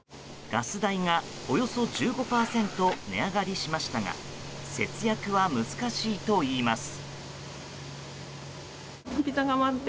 ガス代がおよそ１５％値上がりしましたが節約は難しいといいます。